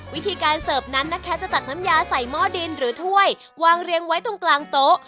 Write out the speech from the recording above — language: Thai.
วิธีการเสิร์ฟนั้นนะคะจะตักน้ำยาใส่หม้อดินหรือถ้วยวางเรียงไว้ตรงกลางโต๊ะ